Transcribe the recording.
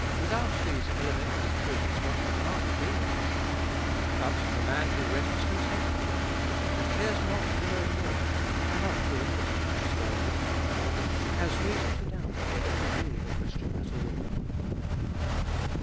Without these elementary truths one could hardly be a Christian : but the man who rests content with them, and cares not to know more, cannot be a Christian as God would have him, has reason to doubt whether he be a Christian at all.